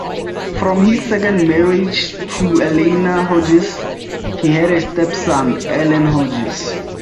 From his second marriage to Eleanor Hodges, he had a stepson, Allan Hodges.